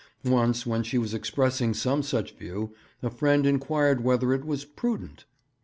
Once, when she was expressing some such view, a friend inquired whether it was prudent.